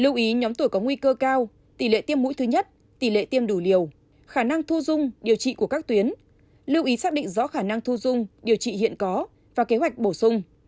lưu ý nhóm tuổi có nguy cơ cao tỷ lệ tiêm mũi thứ nhất tỷ lệ tiêm đủ liều khả năng thu dung điều trị của các tuyến lưu ý xác định rõ khả năng thu dung điều trị hiện có và kế hoạch bổ sung